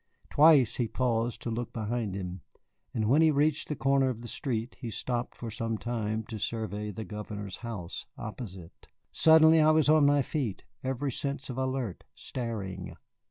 Twice he paused to look behind him, and when he reached the corner of the street he stopped for some time to survey the Governor's house opposite. Suddenly I was on my feet, every sense alert, staring.